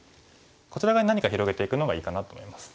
こちら側に何か広げていくのがいいかなと思います。